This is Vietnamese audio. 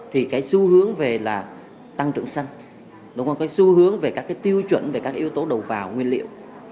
thì cái xu hướng về tăng trưởng xanh cái xu hướng về các tiêu chuẩn các yếu tố đầu vào nguyên liệu